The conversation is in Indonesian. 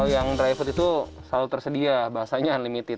ikan dry food itu selalu tersedia bahasanya unlimited